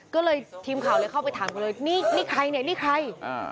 ก็เลยทีมข่าวเข้าไปถามกันเลยนี่ใครเนี่ยนี่ใคร